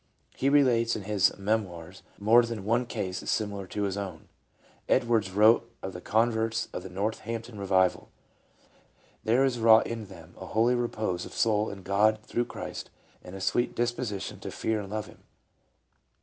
He relates in his "Memoirs" more than one case similar to his own. Edwards wrote of the converts of the Northampton Revival :'' There is wrought in them a holy repose of soul in God through Christ, and a sweet dis position to fear and love Him